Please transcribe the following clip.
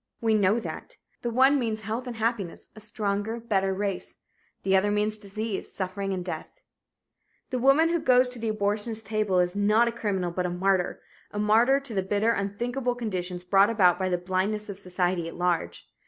We know that. The one means health and happiness a stronger, better race. The other means disease, suffering, death. The woman who goes to the abortionist's table is not a criminal but a martyr a martyr to the bitter, unthinkable conditions brought about by the blindness of society at large.